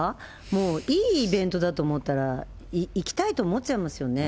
もういいイベントだと思ったら、行きたいと思っちゃいますよね。